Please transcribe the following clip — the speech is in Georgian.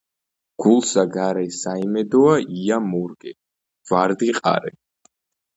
გულსა გარე საიმედოა ია მორგე , ვარდი ყარე.